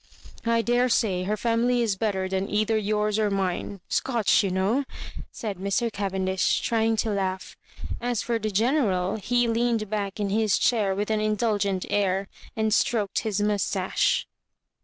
"I daresay her family is better than either yoiirs or mine. Scotch, you know," said Mr. Cavendish, trying to laugh. As for the Ge neral, he leaned back in his chair with an in dulgent air, and stroked his mustache.